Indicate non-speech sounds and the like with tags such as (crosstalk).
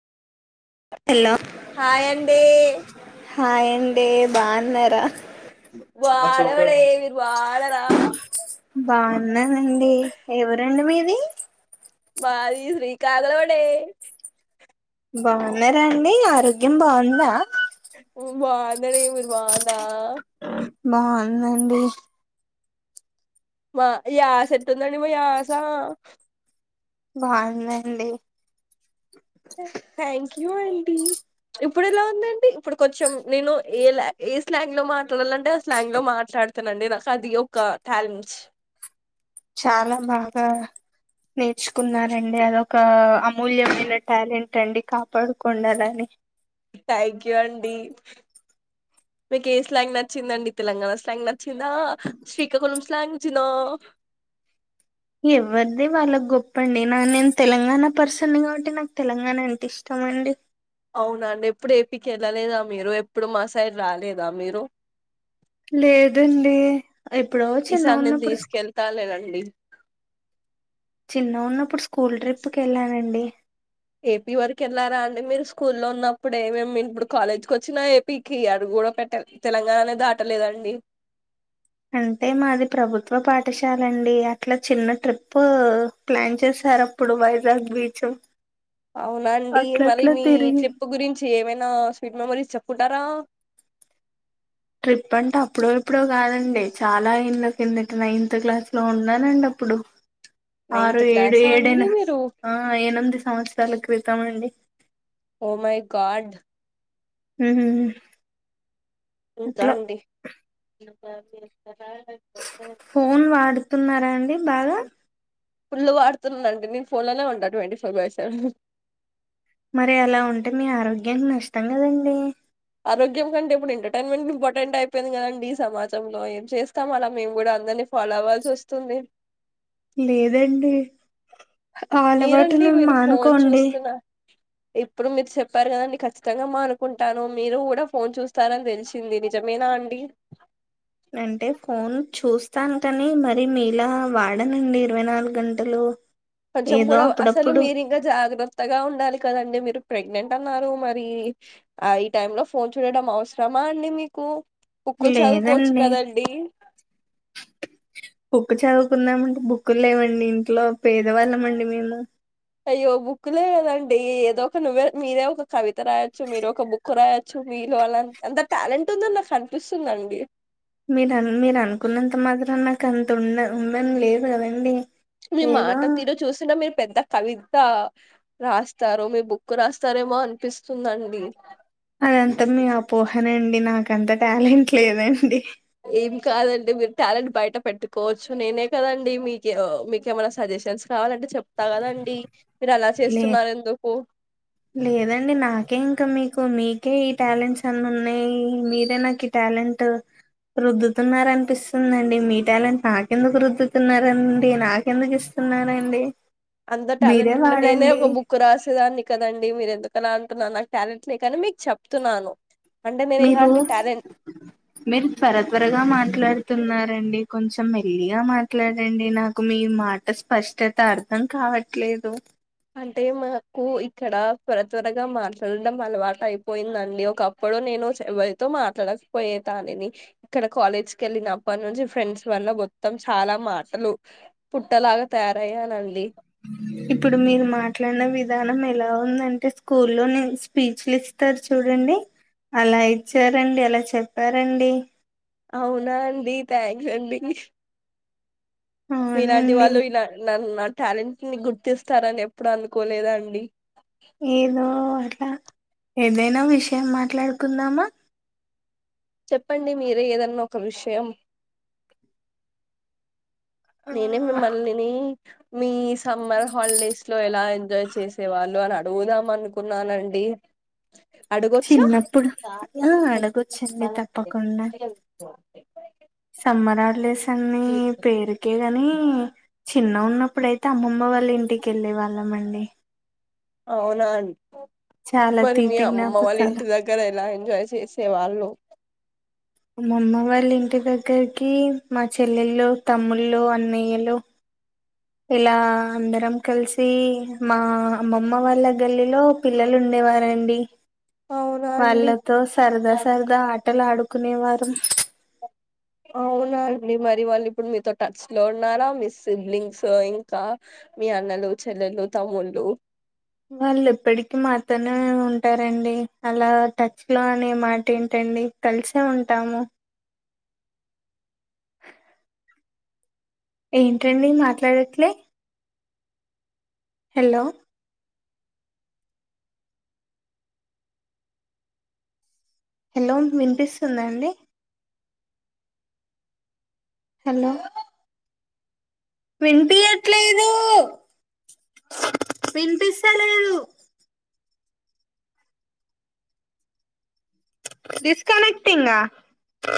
Hello hi అండి hi అండి బాగున్నారా రా వాళవలే విర్ వాళరా బాగున్నానండీ ఎవురండి మీది మాది శ్రీకాకుళమండీ బాగున్నారండి ఆరోగ్యం బాగుందా బాగుందండి మీరు బాగుందా బాగున్ దండి మా యాస ఎట్ంద అండి మా యాస బాగుందండి థ్యాంక్ యూ అంటడి ఇప్పుడు ఎలా ఉందండి ఇప్పుడు కొంచెం నేను ఏ ఏ స్లాంగ్ లో మాట్లాడాలంటే ఆ స్లాంగ్ లో మాట్లాడుతానండి నాకు అది ఒక టాలెంట్ చాలా బాగా నేర్చుకున్నారండి అదొక ఆమ్ మూల్యమైన ట్యాలెంట్ ట్టండి కాపాడుకోండి అలానే థ్యాంక్ యూ అండి మీకు ఏ స్లాంగ్ నచ్చిందండి తెలంగాణ స్లాంగ్ నచ్చిందా శ్రీకాకుళం స్లాంగ్ చిధా ఎవరిది వాళ్ళకు గొప్పండి. నా నేను తెలంగాణ పర్సన్ కాబట్టి నాకు తెలంగాణ అంటే ఇష్టమండి. అవునా అండి. ఎప్పుడు ఏపీ కి వెళ్ళలేదా మీరు ఎప్పుడు మా సైడ్ రాలేదా మీరు. లేదండి. ఎప్పుడో ఈసారి నేను చిన్నగున్నప్పుడు స్కూల్ తీసుకెళ్తాలేనండి చిన్నగున్నప్పుడు స్కూల్ ట్రిప్కి వెళ్ళానండి. ఏ. పీ వరకు వెళ్ళారా అండి మీరు స్కూ లో ఉన్నప్పుడే. మేము ఇప్పుడు కాలేజ్కి వచ్చినా ఏ. పీకి అడుగు కూడా పెట్ట తెలంగాణనే దాటలేదండి. అంటే మాది ప్రభుత్వ పాఠశాల అండి అట్లా చిన్న ట్రిప్పు ప్లాన్ చేసారు. అప్పుడు వైజాగ్ బీచ్ అవునా అండి. మరి అట్లట్లా మీ తిరిగి ట్రీప్పు గురించి ఏమైనా స్వీట్ మెమరీస్ చెప్కుంటారా. ట్రిప్ అంటే అప్పుడో ఎప్పుడో కాదండి. చాలా ఏళ్ల కిందట నైన్త్ క్లాస్ లో ఉన్నానండి అప్పుడు. ఆరు, నైన్త్ ఏడు క్లాసా అండి ఏడేను మీరు ఆ ఏనంది సంవత్సర్ లా క్రితామండి. ఓ మై గాడ్ ఉహ్మ్ ఇంకా అండి. (inaudible) ఫోన్ వాడుతున్నారా అండి. బాగా ఫుల్లు వాడుతున్నానుండి. నేను ఫోన్ లోనే ఉంట ట్వంటీ ఫోర్ బై సెవెన్ మరి అలా ఉంటే మీ ఆరోగ్యానికి నష్టం కదండి. ఆరోగ్యం కంటే ఇప్పుడు ఎంటర్టైన్మెంట్ ఇంపార్టెంట్ అయిపోయింది కదండి. ఈ సమాజంలో ఏం చేస్తాం అలా మేము కూడా అందరినీ ఫాలో అవ్ల్సి వస్తుంది. లేదండి. మీరండి అలవాటుని మీరు ఫోన్ మానుకోండి. చూస్తున్న ఇప్పుడు మీరు చెప్పారు కదండి. ఖచ్చితంగా మా అనుకుంటాను మీరు కూడా ఫోన్ చూస్తారని తెలిసింది నిజమేనా అండి. అంటే ఫోన్ చూస్తాను కానీ మరి మీలా వాడనండి. ఇరవై నాలుగు గంటలు కొంచెం ఏదో కూడా అసలు అప్పుడప్పుడు మీరి ఇంకా జాగ్రత్తగా ఉండాలి కదండి. మీరు ప్రెగ్నెంట్ అన్నారు. మరి ఆ ఈ టైమ్ లో ఫోన్ చూడడం అవసరమా అండి. మీకు బుక్కులు చదువుకోవచ్చు లేదండి కదండి. బుక్ చదువుకుందామ అంటే బుక్కుల్ లేవండి. ఇంట్లో పేదవాళ్ళంమండి మేము అయ్యో బుక్లే కదండి ఏదో ఒక నువ్వే మీరే ఒక కవిత రాయచ్చు, మీర ఒక బుక్ రాయొచ్చు, మీలో అలా అంత టాలెంట్ ఉందని నాకు అనిపిస్తుందండి. మీరు మీరు అనుకున్నంత మాత్రన్నా నక్ అంత ఉన్న ఉండని లేదు కదండీ. మీ మాట తీరు చూస్తుంటే మీర్ పెద్ద కవిత రాస్తారు. మీ బుక్ రాస్తారేమో అనిపిస్తుందండి. అదంతా మీ ఆపోహనే అండి. నాకంత టాలెంట్ లేదండి. ఏం కాదండి. మీరు టాలెంట్ బయట పెట్టుకోవచ్చు. నేనే కదండి మీకు మీకేమైనా సజెషన్స్ కావాలంటే చెప్తా కదండి. మీరు అలా లే చేస్తున్నారు ఎందుకు లేదండి నాకే ఇంకా మీకు మీకే ఇ టాలెంట్స్ అన్ని ఉన్నాయి. మీరే నాకు ఈ టాలెంట్ రుద్దుతున్నార అనిపిస్తుందాండి. మీ టాలెంట్ నాకెందుకు రుద్దుతున్నారంండి. నాకెందుకు ఇస్తున్నారంండి. అంత టాలెంట్ ఉంటే నేనే బుక్ రా చ్చదాన్ని కదండి మీరు ఎందుకలా అంటున్నారు నాకు టాలెంట్ని కానీ మీకు చెప్తున్నాను అంటే నేను మీరు ఇలాంటి టాలెంట్ మీరు త్వర త్వరగా మాట్లాడుతున్నారు రండి కొంచెం మెల్లిగా మాట్లాడండి నాకు మీ మాట స్పష్టత అర్థం కావట్లేదు అంటే మాకు ఇక్కడ త్వర త్వరగా మాట్లాడడం అలవాట అయిపోయిందండి ఒకప్పుడు నేను ఎవరితో మాట్లాడకపోయే దానిని ఇక్కడ కాలేజ్కి వెళ్ళినప్పటి నుంచి ఫ్రెండ్స్ వల్ల మొత్తం చాలా మాటలు పుట్టలాగా తయారయ్యానండి ఇప్పుడు మీరు మాట్లాడిన విధానం ఎలా ఉందంటే స్కూల్లో నేను స్పీచ్లు ఇస్తారు చూడండి అలా ఇచ్చారండి ఎలా చెప్పారండి అవునా అండి థ్యాంక్స్ అండి మీలాంటి అవునండి వాళ్ళు ఇలా నన్ టాలెంట్ ని గుర్తిస్తారని ఎప్పుడు అనుకోలేదండి ఏదో అట్లా ఏదైనా విషయం మాట్లాడుకుందామా చెప్పండి మీరే ఏదన్నా ఒక విషయం ఆ, నేనే మిమ్మలని మీ సమ్మర్ హాలిడేస్ లో ఎలా ఎంజాయ్ చేసే వాళ్ళు అని అడుగుదాం అనుకున్నానండి అడగొచ్చా చిన్నప్పుడు ఆ అడగొచ్చండి తప్పకుండా సమ్మర్ హాలిడేస్ అతన్ని పేరుకే గాని చిన్నగా ఉన్నప్పుడైతే అమ్మమ్మ వాళ్ళ ఇంటికి వెళ్ళే వాళ్ళం అండి అవునా అన్ చాలా మరి మీ తీపి అమ్మమ్మ వాళ్ళ జ్ఞాపకాలు ఇంటి దగ్గర ఎలా ఎన్ చేసే వాళ్ళు మా అమ్మమ్మ వాళ్ళ ఇంటి దగ్గరకి మా చెల్లెళ్ళు తమ్ముళ్ళు అన్నయ్యలు ఇలా అందరం కలిసి మా అమ్మమ్మ వాళ్ళ గల్లిలో పిల్లలు ఉండేవారండి అవునా అండి వాళ్ళతో సరదా సరదా ఆటలు ఆడుక్ కొనే వారం అవునా అండి మరి వాళ్ళు ఇప్పుడు మీతో టచ్ లో ఉన్నారా మీ సిబ్లింగ్స్ ఇంకా మీ అన్నలు చెల్లెలు తమ్ముళ్ళు వాళ్ళు ఎప్పటికి మాతోనే ఉంటారండి అలా టచ్ లో అనే మాట ఏంటండి కలిసే ఉంటాము ఏంటండి మాట్లాడట్లే హలో హలో వినిపిస్తుందా అండి హలో వినిపియట్లేదు వినిపిస్తలేదు డిస్కనెక్టింగ్ ఆ